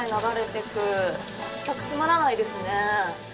全く詰まらないですね。